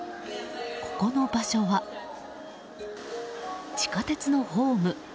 ここの場所は地下鉄のホーム。